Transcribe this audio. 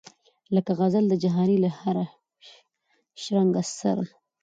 لکه غزل د جهاني له هره شرنګه سره